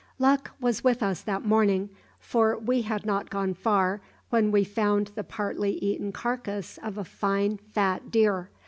Luck was with us that morning, for we had not gone far when we found the partly eaten carcass of a fine fat deer.